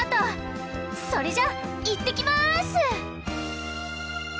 それじゃあいってきます！